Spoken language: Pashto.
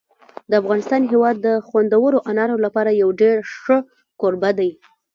د افغانستان هېواد د خوندورو انارو لپاره یو ډېر ښه کوربه دی.